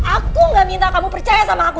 aku gak minta kamu percaya sama aku